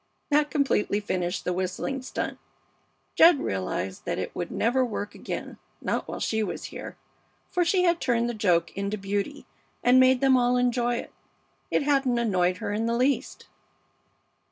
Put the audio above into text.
That completely finished the whistling stunt. Jed realized that it would never work again, not while she was here, for she had turned the joke into beauty and made them all enjoy it. It hadn't annoyed her in the least.